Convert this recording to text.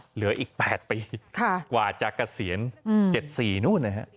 เหลืออีก๘ปีกว่าจะเกษียณ๗๔นู่นนะฮะ